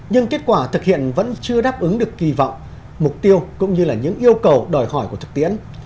nhưng kết quả thực hiện vẫn chưa đáp ứng được kỳ vọng mục tiêu cũng như là những yêu cầu đòi hỏi của thực tiễn